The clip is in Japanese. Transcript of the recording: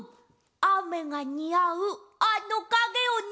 あめがにあうあのかげをね。